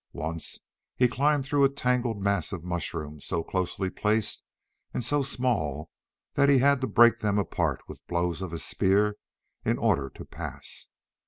Once he climbed through a tangled mass of mushrooms so closely placed and so small that he had to break them apart with blows of his spear in order to pass.